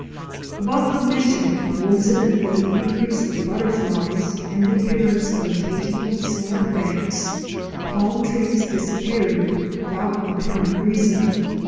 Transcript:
Above the mission, coincident with the increase of butter flies and the appearance of occasional sand banks, palm trees disappeared without apparent reason.